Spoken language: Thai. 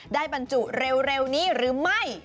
บรรจุเร็วนี้หรือไม่